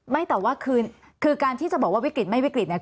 ไม่แต่ว่าคือการที่จะบอกว่าวิกฤตไม่วิกฤตเนี่ย